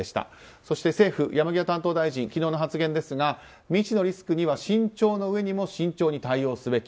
そして政府、山際担当大臣昨日の発言ですが未知のリスクには慎重の上にも慎重に対応すべき。